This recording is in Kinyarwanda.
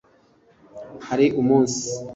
Hari umunsi